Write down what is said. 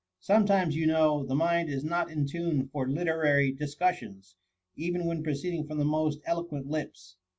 Sometimes, you know, the mind is not in tune for literary dis cussions, even when proceeding from the most eloquent lips.